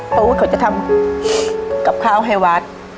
ประอุทธิ์เขาจะทำ